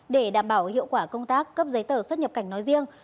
để đảm bảo hiệu quả công tác cấp giấy tờ xuất nhập cảnh nói riêng